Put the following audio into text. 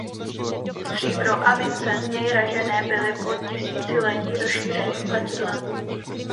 Stříbro a mince z něj ražené byly po tisíciletí rozšířeným platidlem.